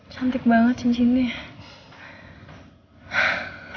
cantik banget cincinnya